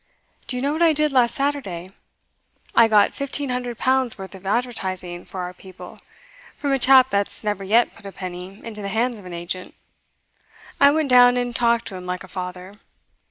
Do you know what I did last Saturday? I got fifteen hundred pounds' worth of advertising for our people, from a chap that's never yet put a penny into the hands of an agent. I went down and talked to him like a father.